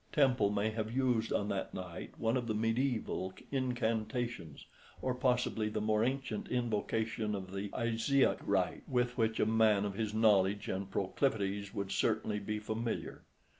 Temple may have used on that night one of the medieval incantations, or possibly the more ancient invocation of the Isiac rite with which a man of his knowledge and proclivities would certainly be familiar.